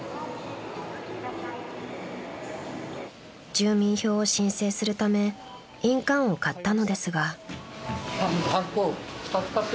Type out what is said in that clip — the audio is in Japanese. ［住民票を申請するため印鑑を買ったのですが］